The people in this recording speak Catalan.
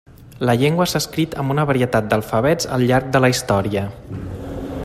La llengua s'ha escrit amb una varietat d'alfabets al llarg de la història.